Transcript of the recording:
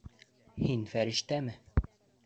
— Һин фәрештәме?